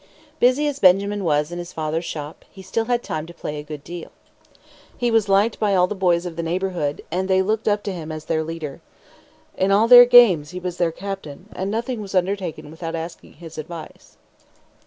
Busy as Benjamin was in his father's shop, he still had time to play a good deal. He was liked by all the boys of the neighborhood, and they looked up to him as their leader. In all their games he was their captain; and nothing was undertaken without asking his advice.